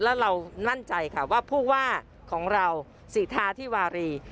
แล้วเรามั่นใจค่ะว่าผู้ว่าของเราสิทาธิวารี